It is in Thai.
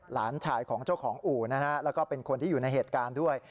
หลานชายของเจ้าของอู่นะฮะแล้วก็เป็นคนที่อยู่ในเหตุการณ์ด้วย